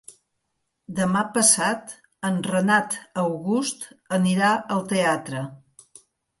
Demà passat en Renat August anirà al teatre.